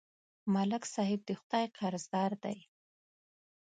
ملک صاحب د خدای قرضدار دی.